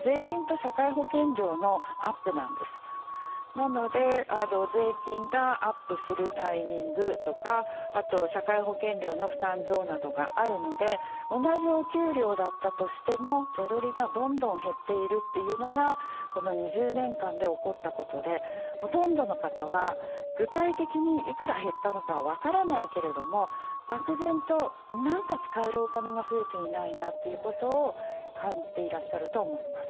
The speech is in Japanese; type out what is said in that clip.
なので税金がアップするタイミングとかあと社会保険料の負担増などがあるので同じお給料だったとしても手取りがどんどん減っているというのがこの２０年間で起こったことでほとんどの方は具体的にいくら減ったのかは分からないけれども漠然と何か使えるお金が増えていないなということを感じていらっしゃると思います。